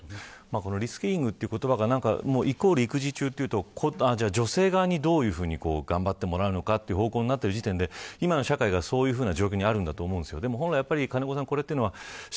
このリスキリングという言葉がイコール育児中というと女性がどう頑張ってもらうのかということになってる時点で今の社会が、そういうふうな状況にあると思うんです。